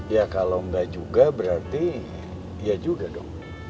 ya kalau enggak juga berarti ya juga dong